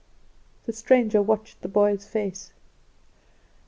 The stranger watched the boy's face.